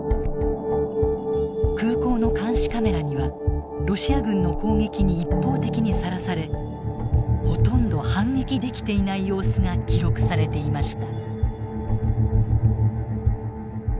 空港の監視カメラにはロシア軍の攻撃に一方的にさらされほとんど反撃できていない様子が記録されていました。